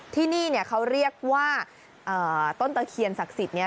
ที่นี่เนี่ยเขาเรียกว่าต้นตะเคียนศักดิ์สิทธิ์เนี่ย